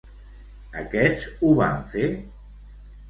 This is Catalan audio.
Aquests ho van fer?